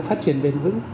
phát triển bền vững